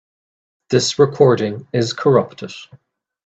This recording is corrupted.